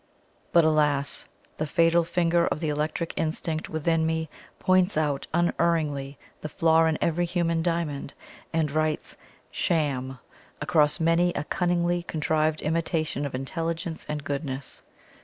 But alas! the fatal finger of the electric instinct within me points out unerringly the flaw in every human diamond, and writes "SHAM" across many a cunningly contrived imitation of intelligence and goodness.